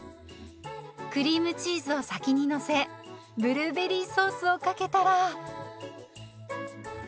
クリームチーズを先にのせブルーベリーソースをかけたら。